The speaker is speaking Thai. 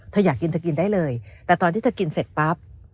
อยากกินเธอกินได้เลยแต่ตอนที่เธอกินเสร็จปั๊บ